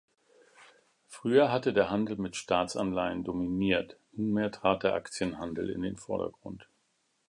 Früher hatte der Handel mit Staatsanleihen dominiert, nunmehr trat der Aktienhandel in den Vordergrund.